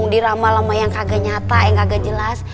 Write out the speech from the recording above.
diramal sama yang kagak nyata yang agak jelas